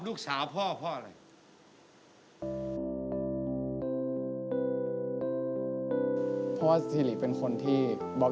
คุณฟังผมแป๊บนึงนะครับ